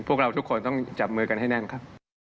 พวกเราทุกคนต้องจับมือกันให้แน่นครับ